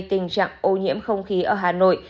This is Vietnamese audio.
tình trạng ô nhiễm không khí ở hà nội